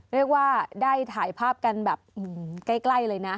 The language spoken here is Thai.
เรียกว่าได้ถ่ายภาพกันแบบใกล้เลยนะ